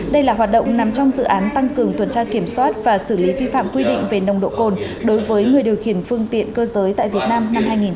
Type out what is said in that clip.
đây là hoạt động nằm trong dự án tăng cường tuần tra kiểm soát và xử lý vi phạm quy định về nồng độ cồn đối với người điều khiển phương tiện cơ giới tại việt nam năm hai nghìn hai mươi